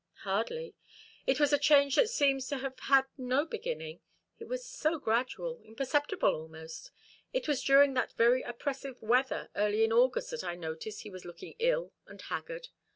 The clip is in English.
"Hardly. It was a change that seems to have had no beginning. It was so gradual imperceptible almost. It was during that very oppressive weather early in August that I noticed he was looking ill and haggard.